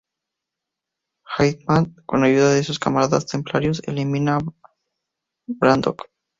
Haytham, con ayuda de sus camaradas Templarios, elimina a Braddock.